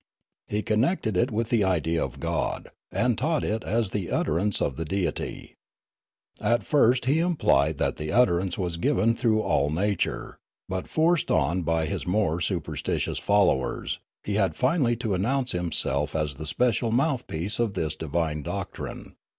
He connected it with the idea of God, and taught it as the utterance of the Deit5\ At first he implied that the utterance was given through all nature, but, forced on by his more superstitious followers, he had finally to announce himself as the special mouthpiece of this divine doctrine.